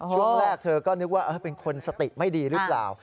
ช่วงแรกเธอก็นึกว่าเป็นคนสติไม่ดีหรือเปล่า